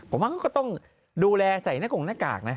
ผมว่าเขาก็ต้องดูแลใส่หน้ากาก